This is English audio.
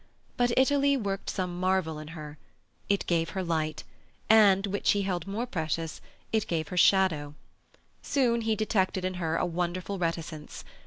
But Italy worked some marvel in her. It gave her light, and—which he held more precious—it gave her shadow. Soon he detected in her a wonderful reticence.